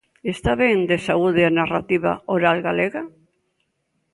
Está ben de saúde a narrativa oral galega?